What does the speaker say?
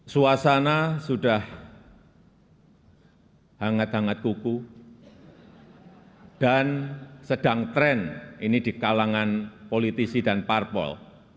suasana sudah hangat hangat kuku dan sedang tren ini di kalangan politisi dan parpol